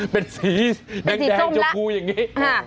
เป็นสีแดงชมพูอย่างนี้